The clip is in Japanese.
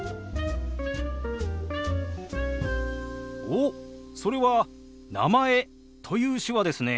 おっそれは「名前」という手話ですね。